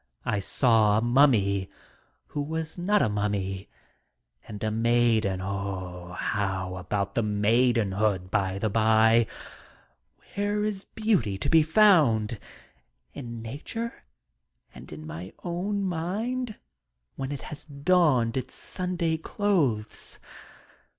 I saw a Mummy who was not a mummy, and a maiden — how about t he maidenhood, by the by ?^ Whereis beautyTo be foimd? In nature, and in my own mind when it has donned its Sunday clothes.